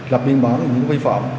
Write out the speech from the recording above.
lập biên bản về những vi phạm